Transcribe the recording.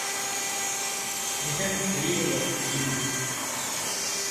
மிக எளிய வழி இது.